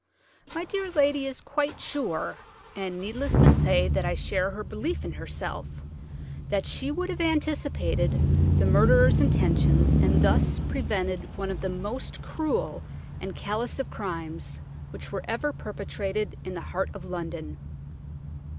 My dear lady is quite sure–and needless to say that I share her belief in herself–that she would have anticipated the murderer's intentions, and thus prevented one of the most cruel and callous of crimes which were ever perpetrated in the heart of London.